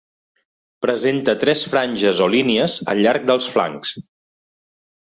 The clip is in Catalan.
Presenta tres franges o línies al llarg dels flancs.